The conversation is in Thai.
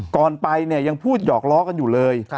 ก่อนไปเนี่ยยังพูดหยอกล้อกันอยู่เลย